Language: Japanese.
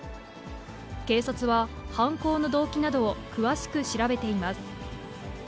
警察は犯行の動機などを詳しく調べています。